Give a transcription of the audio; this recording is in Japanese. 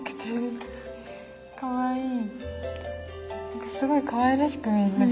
何かすごいかわいらしく見える。